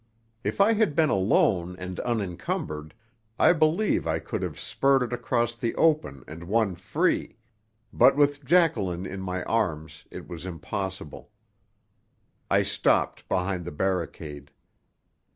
If I had been alone and unencumbered, I believe I could have spurted across the open and won free. But with Jacqueline in my arms it was impossible. I stopped behind the barricade.